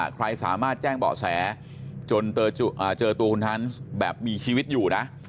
ใครสามารถแจ้งเบาะแสจนเจอตัวคุณฮันส์แบบมีชีวิตอยู่นะ